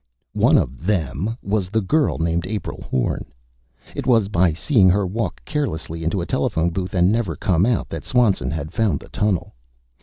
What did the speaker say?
One of "them" was the girl named April Horn. It was by seeing her walk carelessly into a telephone booth and never come out that Swanson had found the tunnel.